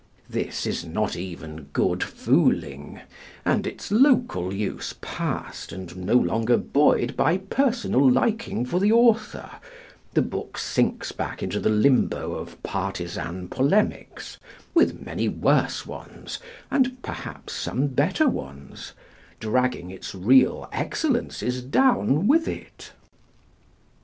This is not even good fooling; and, its local use past and no longer buoyed by personal liking for the author, the book sinks back into the limbo of partisan polemics with many worse ones and perhaps some better ones, dragging its real excellences down with it.